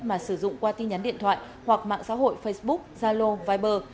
mà sử dụng qua tin nhắn điện thoại hoặc mạng xã hội facebook zalo viber